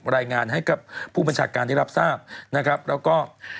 รายงานให้กับผู้บัญชาการได้รับทราบนะครับแล้วก็